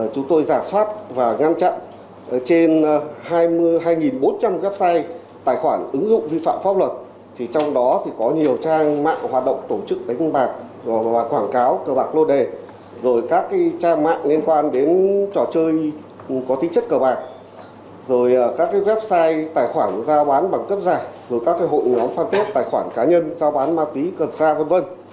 chúng tôi giả soát và ngăn chặn trên hai bốn trăm linh website tài khoản ứng dụng vi phạm pháp luật trong đó có nhiều trang mạng hoạt động tổ chức đánh bạc quảng cáo cờ bạc lô đề trang mạng liên quan đến trò chơi có tính chất cờ bạc website tài khoản giao bán bằng cấp giả hội nhóm phan tuyết tài khoản cá nhân giao bán ma túy cờ xa v v